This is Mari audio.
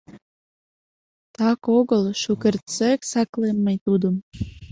Так огыл шукертсек саклем мый тудым.